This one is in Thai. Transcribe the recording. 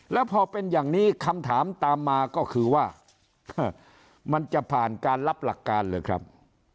แล้วพอเป็นอย่างนี้คำถามตามมาก็คือว่ามันจะผ่านการรับหลักการหรือครับ